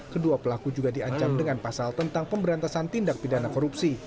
kedua pelaku juga diancam dengan pasal tentang pemberantasan tindak pidana korupsi